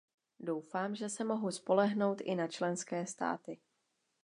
Doufám, že se mohu spolehnout i na členské státy.